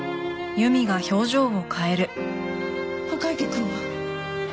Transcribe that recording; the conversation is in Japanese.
赤池くんは？